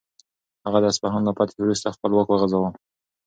هغه د اصفهان له فتحې وروسته خپل واک وغځاوه.